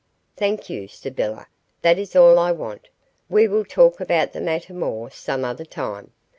"Thank you, Sybylla, that is all I want. We will talk about the matter more some other time.